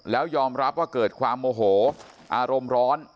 แล้วยอมรับว่าเกิดความโมโหอารมณ์ร้อน